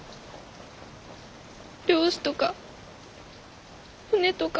漁師とか船とか海とか。